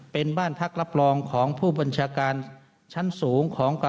เป็นบ้านพักรับรองของผู้บัญชาการชั้นสูงของก